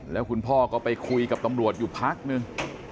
แล้วคุณพ่อก็ไปคุยกับตำรวจอยู่พักนึง